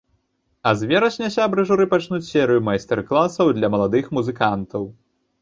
А з верасня сябры журы пачнуць серыю майстар-класаў для маладых музыкантаў.